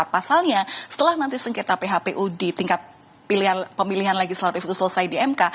pasalnya setelah nanti sengketa phpu di tingkat pemilihan legislatif itu selesai di mk